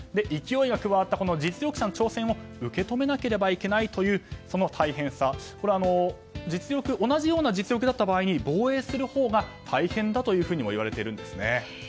勢いが加わった実力者の挑戦を受け止めなければいけないというその大変さ同じような実力だった場合に防衛するほうが大変だともいわれているんですね。